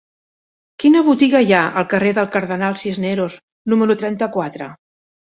Quina botiga hi ha al carrer del Cardenal Cisneros número trenta-quatre?